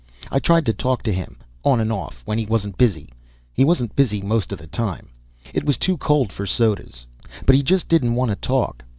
I tried to talk to him, on and off, when he wasn't busy. He wasn't busy most of the time; it was too cold for sodas. But he just didn't want to talk.